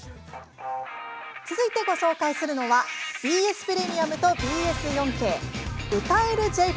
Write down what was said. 続いて、ご紹介するのはＢＳプレミアムとＢＳ４Ｋ「歌える！